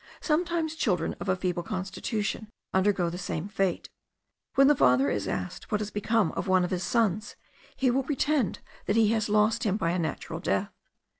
Sometimes children of a feeble constitution undergo the same fate. When the father is asked what is become of one of his sons, he will pretend that he has lost him by a natural death.